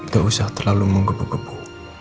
gak usah terlalu menggebu gebuk